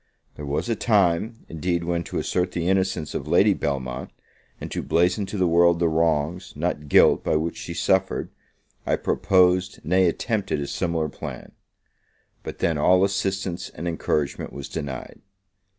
There was a time, indeed, when to assert the innocence of Lady Belmont, and to blazon to the world the wrongs, not guilt, by which she suffered, I proposed, nay attempted, a similar plan: but then all assistance and encouragement was denied.